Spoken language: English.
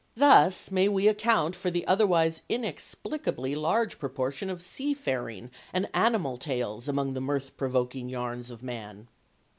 Thus may we account for the otherwise inexplicably large proportion of sea faring and animal tales among the mirth provoking yarns of man.